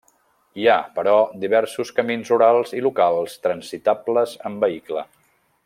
Hi ha, però, diversos camins rurals i locals transitables en vehicle.